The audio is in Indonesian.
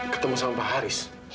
ketemu sama pak haris